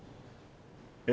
え。